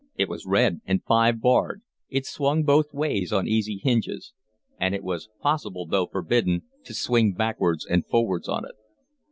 It was red and five barred: it swung both ways on easy hinges; and it was possible, though forbidden, to swing backwards and forwards on it.